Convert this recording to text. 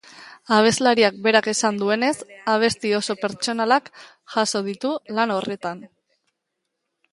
Abeslariak berak esan duenez, abesti oso pertsonalak jaso ditu lan horretan.